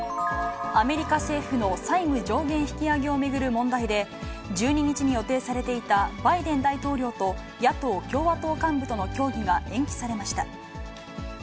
アメリカ政府の債務上限引き上げを巡る問題で、１２日に予定されていたバイデン大統領と野党・共和党幹部との協議が延期されました。